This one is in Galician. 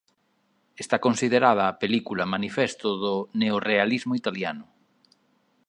Está considerada a película manifesto do neorrealismo italiano.